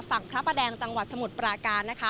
ฝั่งพระแดงจังหวัดสมุทรปราการ